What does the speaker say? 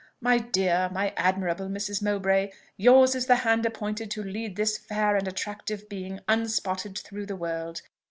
My dear, my admirable Mrs. Mowbray! yours is the hand appointed to lead this fair and attractive being unspotted through the world.